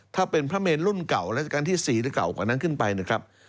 ถ้าเป็นพระเมนรุ่นเก่าราชการที่๔หรือเก่ากว่านั้นขึ้นไปนะครับ